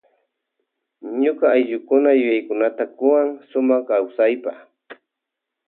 Ñuka ayllukuna yuyakunata kuwan sumak kawsaypa.